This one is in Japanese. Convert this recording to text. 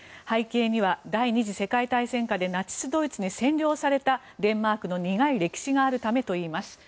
背景には第２次世界大戦下でナチス・ドイツに占領されたデンマークの苦い歴史があるためといいます。